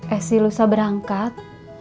esi lusa berangkat